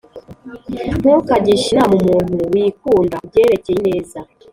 ntukagishe inama umuntu wikunda ku byerekeye ineza,